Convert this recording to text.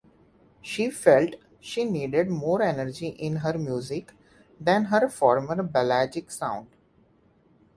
She felt she needed more energy in her music than her former balladic sound.